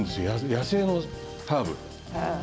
野生のハーブ